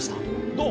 どう？